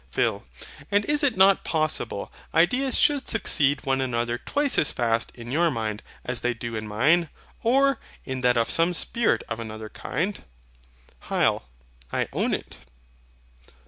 PHIL. And is it not possible ideas should succeed one another twice as fast in your mind as they do in mine, or in that of some spirit of another kind? HYL. I own it.